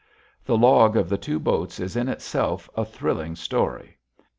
The log of the two boats is in itself a thrilling story.